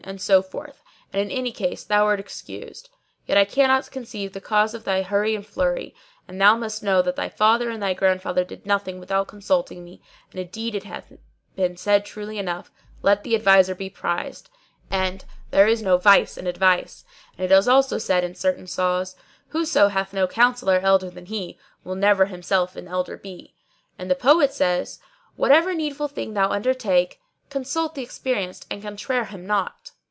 and so forth; and in any case thou art excused. Yet I cannot conceive the cause of thy hurry and flurry; and thou must know that thy father and thy grandfather did nothing without consulting me, and indeed it hath been said truly enough, 'Let the adviser be prized'; and, 'There is no vice in advice'; and it is also said in certain saws, 'Whoso hath no counsellor elder than he, will never himself an elder be';[FN#614] and the poet says:— Whatever needful thing thou undertake, * Consult th' experienced and contraire him not!